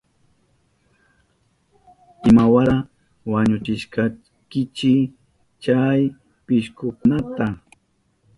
¿Imawata wañuchishkankichi chay pishkukunata?